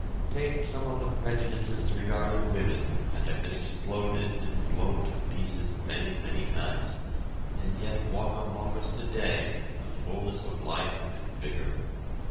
Take some of the prejudices regarding women that have been exploded and blown to pieces many, many times and yet walk among us today in the fulness of life and vigor.